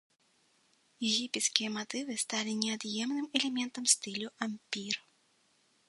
Егіпецкія матывы сталі неад'емным элементам стылю ампір.